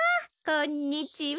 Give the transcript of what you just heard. こんにちは。